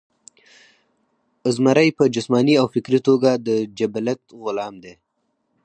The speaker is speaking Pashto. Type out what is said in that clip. ازمرے پۀ جسماني او فکري توګه د جبلت غلام دے